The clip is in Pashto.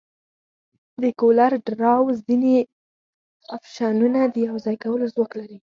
د کولر ډراو ځینې افشنونه د یوځای کولو ځواک لري.